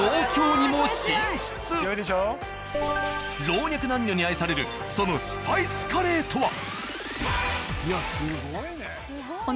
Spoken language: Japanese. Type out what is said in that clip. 老若男女に愛されるそのスパイスカレーとは？